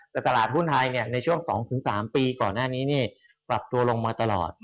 แต่ตลาดหุ้นไทยในช่วง๒๓ปีก่อนหน้านี้ปรับตัวลงมาตลอด